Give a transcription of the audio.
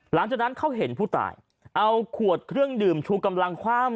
หลังจากนั้นเขาเห็นผู้ตายเอาขวดเครื่องดื่มชูกำลังคว่ำ